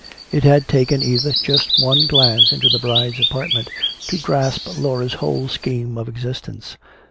It had taken Edith just one glance into the bride's apartment to grasp Laura's whole scheme of existence.